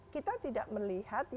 kita tidak melihat